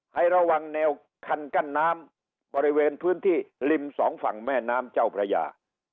ให้ระวังแนวคันกั้นน้ำบริเวณพื้นที่ริมสองฝั่งแม่น้ำเจ้าพระยา